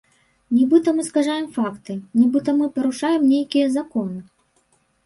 Нібыта мы скажаем факты, нібыта мы парушаем нейкія законы.